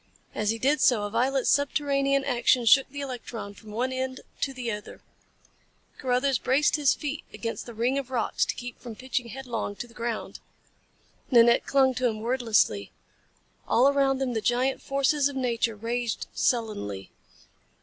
As he did so, a violent subterranean action shook the electron from one end to the other. Carruthers braced his feet against the ring of rocks to keep from pitching headlong to the ground. Nanette clung to him wordlessly. All around them the giant forces of nature raged sullenly.